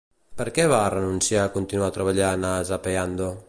Per què va renunciar a continuar treballant a "Zapeando"?